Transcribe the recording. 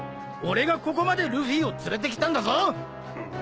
俺がここまでルフィを連れてきたんだぞ！